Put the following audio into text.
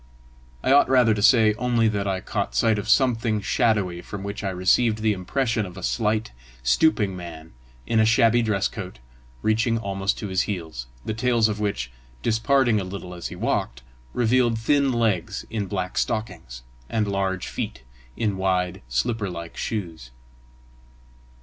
I ought rather to say only that I caught sight of something shadowy from which I received the impression of a slight, stooping man, in a shabby dress coat reaching almost to his heels, the tails of which, disparting a little as he walked, revealed thin legs in black stockings, and large feet in wide, slipper like shoes.